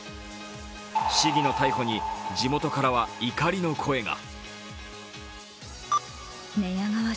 市議の逮捕に地元からは怒りの声が。